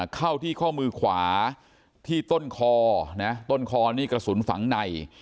เข้าที่ข้อมือขวาที่ต้นคอนะต้นคอนี่กระสุนฝังใน